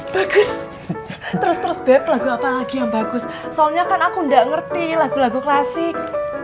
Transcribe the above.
bagus terus terus bep lagu apa lagi yang bagus soalnya kan aku nggak ngerti lagu lagu klasik